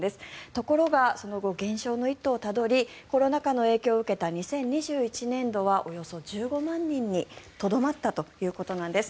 ところがその後減少の一途をたどりコロナ禍の影響を受けた２０２１年度はおよそ１５万人にとどまったということなんです。